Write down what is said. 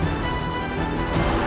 jangan berani kurang ajar padaku